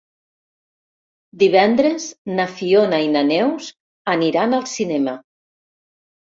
Divendres na Fiona i na Neus aniran al cinema.